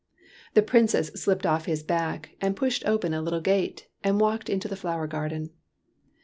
The Princess slipped off his back and pushed open the little gate and walked into the flower garden.